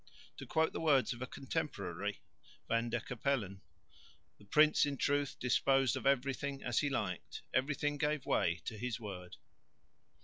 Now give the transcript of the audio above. To quote the words of a contemporary, Van der Capellen, "the prince in truth disposed of everything as he liked; everything gave way to his word."